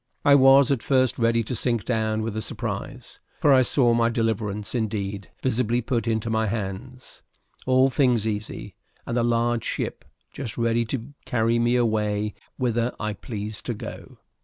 I was at first ready to sink down with the surprise; for I saw my deliverance indeed visibly put into my hands, all things easy, and a large ship just ready to carry me away whither I pleased to go.